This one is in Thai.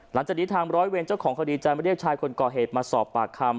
หลังจากนี้ทางร้อยเวรเจ้าของคดีจะมาเรียกชายคนก่อเหตุมาสอบปากคำ